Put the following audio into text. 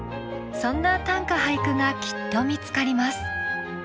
そんな短歌・俳句がきっと見つかります。